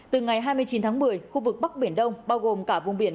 từ ngày hai mươi chín tháng một mươi khu vực bắc biển đông bao gồm cả vùng biển